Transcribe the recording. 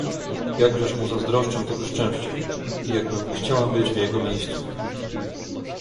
"Jakżeż mu zazdroszczę tego szczęścia i jakbym chciała być w jego miejscu!"